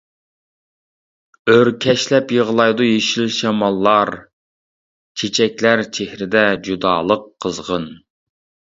ئۆركەشلەپ يىغلايدۇ يېشىل شاماللار، چېچەكلەر چېھرىدە جۇدالىق قىزغىن.